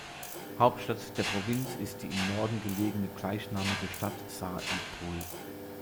Hauptstadt der Provinz ist die im Norden gelegene gleichnamige Stadt Sar-i Pul.